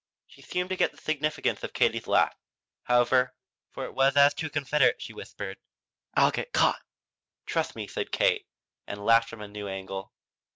She seemed to get the significance of Katie's laugh, however, for it was as to a confederate she whispered: "I'll get caught!" "Trust me," said Kate, and laughed from a new angle.